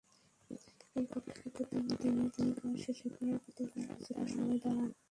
এরপর থেকে প্রতিদিনই তিনি কাজ শেষে ফেরার পথে এখানে কিছুটা সময় দাঁড়ান।